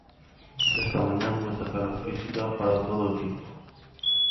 Esta mañá, moita carga física para todo o equipo.